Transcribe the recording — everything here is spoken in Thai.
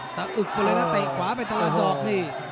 ซะอึกไปแล้วนะเตะขวาไปตรงดอกนี้